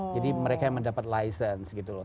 jadi mereka yang mendapatkan license gitu loh